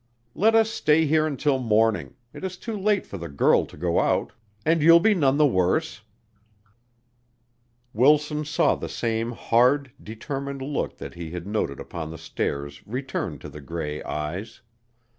Let us stay here until morning it is too late for the girl to go out and you'll be none the worse." Wilson saw the same hard, determined look that he had noted upon the stairs return to the gray eyes.